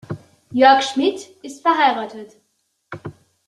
Jörg Schmidt ist verheiratet.